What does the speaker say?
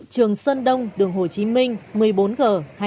trường sơn đông đường hồ chí minh một mươi bốn g hai mươi sáu